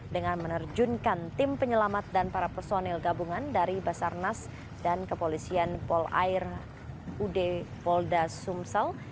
dengan menerjunkan tim penyelamat dan para personil gabungan dari basarnas dan kepolisian polair ud polda sumsel